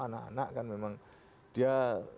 anak anak kan memang dia